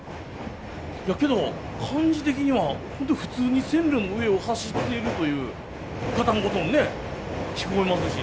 いやけど感じ的にはホントに普通に線路の上を走っているというガタンゴトンね聞こえますし。